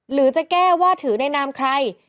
หรือจะแก้ว่าถือในนามใคร